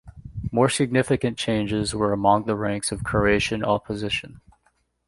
More significant changes were among the ranks of Croatian opposition.